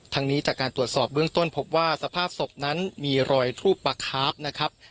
นี้จากการตรวจสอบเบื้องต้นพบว่าสภาพศพนั้นมีรอยทูบปลาคาร์ฟนะครับ